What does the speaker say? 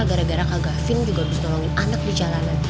gara gara kak gavin juga harus nolongin anak di jalanan